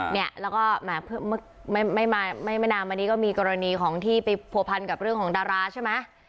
เนี่ยแล้วก็แหมไม่นานมานี้ก็มีกรณีของที่ไปผัวพันกับเรื่องของดาราใช่ไหม